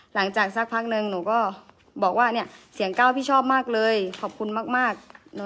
สักพักนึงหนูก็บอกว่าเนี่ยเสียงเก้าพี่ชอบมากเลยขอบคุณมาก